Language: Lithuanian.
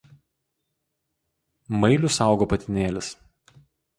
Mailių saugo patinėlis.